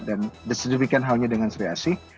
dan sedemikian halnya dengan sri asih